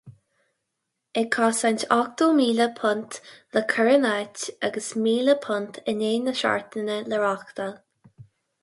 Ag cosaint ochtó míle punt le cur in áit agus míle punt in aghaidh na seachtaine le reáchtáil.